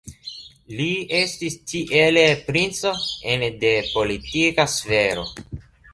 Li estis tiele princo ene de politika sfero.